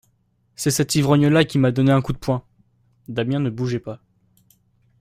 C'est cet ivrogne-là qui m'a donné un coup de poing.» Damiens ne bougeait pas.